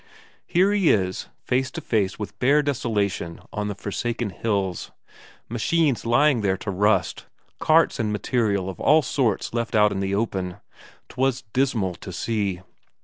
Here he is, face to face with bare desolation on the forsaken hills, machines lying there to rust, carts and material of all sorts left out in the open 'twas dismal to see.